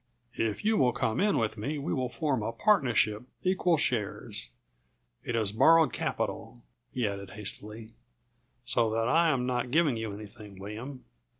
If you will come in with me we will form a partnership, equal shares. It is borrowed capital," he added hastily, "so that I am not giving you anything, William.